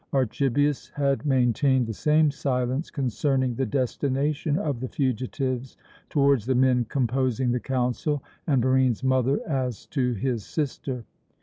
Archibius had maintained the same silence concerning the destination of the fugitives towards the men composing the council and Barine's mother as to his sister.